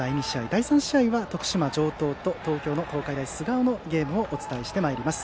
第３試合は徳島・城東と東京の東海大菅生の試合をお伝えしてまいります。